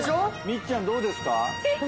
みっちゃんどうですか？